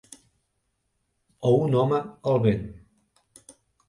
O un home al vent.